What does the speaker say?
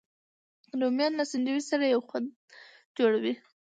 رومیان له سنډویچ سره یو خوند جوړوي